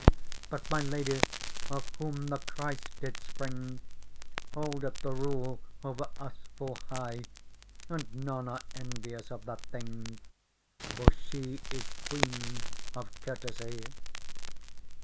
^ But my Lady, of whom the Christ did spring, ^ Holdeth the rule over us full high, ~>> And none are envious of that thing : X For she is Queen of Courtesy.